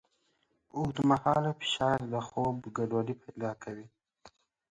اوږدمهاله فشار د خوب ګډوډۍ پیدا کوي.